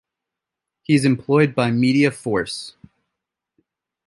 He is employed by Media Force.